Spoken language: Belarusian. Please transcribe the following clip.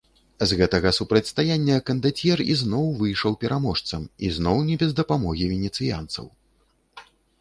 З гэтага супрацьстаяння кандацьер ізноў выйшаў пераможцам, ізноў не без дапамогі венецыянцаў.